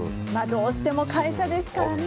どうしても会社ですからね。